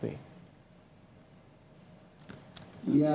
jokowi gibran dan pan